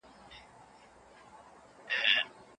ای اېچ کار تاریخ یو ناتمام تعامل بولي.